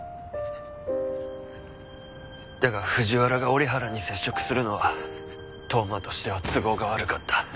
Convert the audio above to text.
だが藤原が折原に接触するのは当麻としては都合が悪かった。